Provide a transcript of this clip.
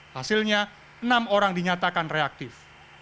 hasilnya enam orang dinyatakan reaktif